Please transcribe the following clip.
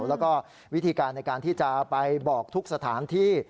แล้วก็วิธีการในการที่จะไปบอกทุกสถานที่